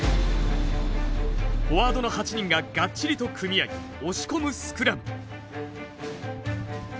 フォワードの８人ががっちりと組み合い押し込むスクラム。